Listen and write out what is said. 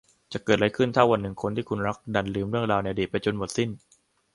จะเกิดอะไรขึ้นถ้าวันหนึ่งคนที่คุณรักดันลืมเรื่องราวในอดีตไปจนหมดสิ้น